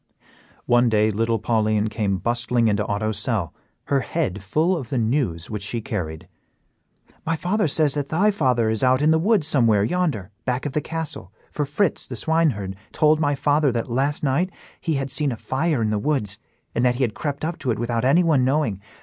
One day little Pauline came bustling into Otto's cell, her head full of the news which she carried. "My father says that thy father is out in the woods somewhere yonder, back of the castle, for Fritz, the swineherd, told my father that last night he had seen a fire in the woods, and that he had crept up to it without anyone knowing.